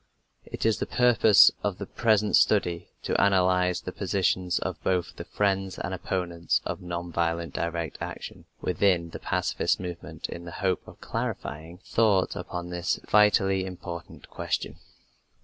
It is the purpose of the present study to analyze the positions of both the friends and opponents of non violent direct action within the pacifist movement in the hope of clarifying thought upon this vitally important question.